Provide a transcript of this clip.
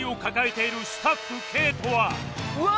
うわ！